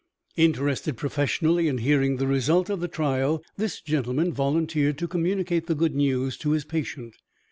Interested professionally in hearing the result of the trial, this gentleman volunteered to communicate the good news to his patient.